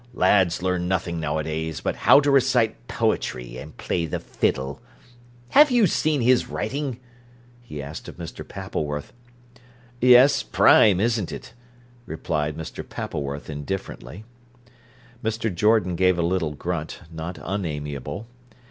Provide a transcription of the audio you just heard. Lads learn nothing nowadays, but how to recite poetry and play the fiddle. Have you seen his writing?" he asked of Mr. Pappleworth. "Yes; prime, isn't it?" replied Mr. Pappleworth indifferently. Mr. Jordan gave a little grunt, not unamiable.